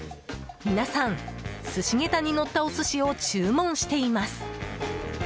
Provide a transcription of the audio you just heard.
皆さん、寿司下駄に乗ったお寿司を注文しています。